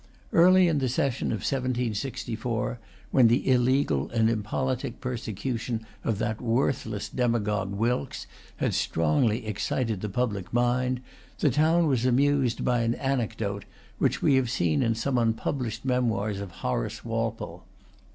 Early in the session Of 1764, when the illegal and impolitic persecution of that worthless demagogue Wilkes had strongly excited the public mind, the town was amused by an anecdote, which we have seen in some unpublished memoirs of Horace Walpole.